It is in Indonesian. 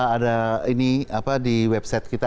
ada ini apa di website kita